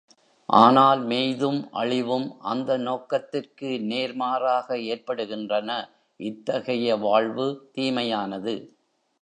ஆனால் மேய்தும் அழிவும் அந்த நோக்கத்திற்கு நேர் மாறாக எற்படுகின்றன, இத்தகைய வாழ்வு தீமையானது.